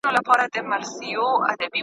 کلتور د ټولني هویت دی.